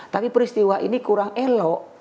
tapi peristiwa ini kurang elok